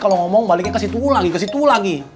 kalau ngomong baliknya ke situ lagi ke situ lagi